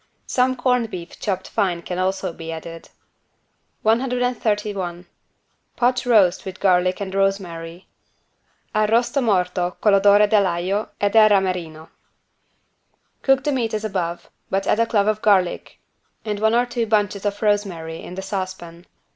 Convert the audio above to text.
Some corned beef chopped fine can also be added. 131 POT ROAST WITH GARLIC AND ROSEMARY (Arrosto morto coll'odore dell'aglio e del ramerino) Cook the meat as above, but add a clove of garlic and one or two bunches of rosemary in the saucepan.